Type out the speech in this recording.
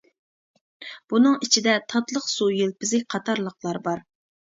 بۇنىڭ ئىچىدە تاتلىق سۇ يىلپىزى قاتارلىقلار بار.